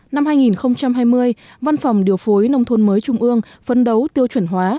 năm hai nghìn hai mươi văn phòng điều phối nông thôn mới trung ương phân đấu tiêu chuyển hóa